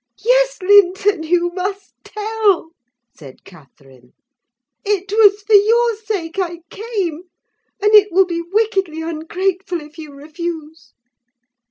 "Yes, Linton, you must tell," said Catherine. "It was for your sake I came; and it will be wickedly ungrateful if you refuse."